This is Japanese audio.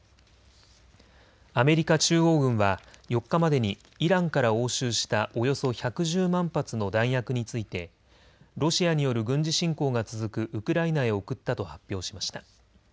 アメリカ中央軍は４日までにイランから押収したおよそ１１０万発の弾薬についてロシアによる軍事侵攻が続くウクライナへ送ったと発表しました。